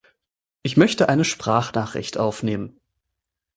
Ich möchte eine Sprachnachricht aufnehmen.